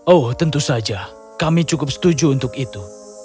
oh tentu saja kami cukup setuju untuk itu